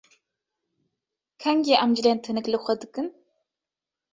Kengî em cilên tenik li xwe dikin?